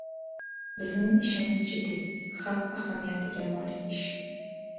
Bizning ishimiz jiddiy, xalq ahamiyatiga molik ish!